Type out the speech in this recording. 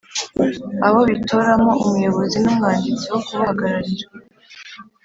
Abo bitoramo umuyobozi n umwanditsi wo kubahagararira.